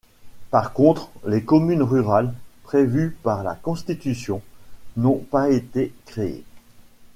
Par contre, les communes rurales, prévues par la constitution, n’ont pas été créées.